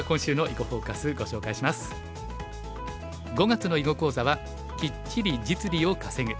５月の囲碁講座は「キッチリ実利を稼ぐ」。